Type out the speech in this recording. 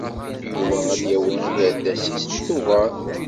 Yuba ad yawi agerdas-is deg Tubeṛ.